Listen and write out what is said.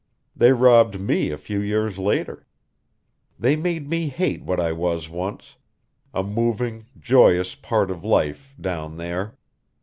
They robbed me a few years later. They made me hate what I was once, a moving, joyous part of life down there.